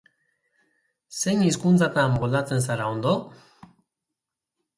Zein hizkuntzatan moldatzen zara ondo?